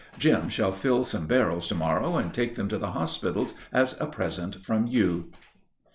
Jim shall fill some barrels to morrow and take them to the hospitals as a present from you."